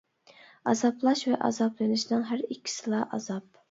ئازابلاش ۋە ئازابلىنىشنىڭ ھەر ئىككىسىلا ئازاب.